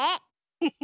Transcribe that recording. フフフ。